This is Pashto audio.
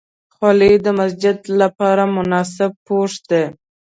خولۍ د مسجد لپاره مناسب پوښ دی.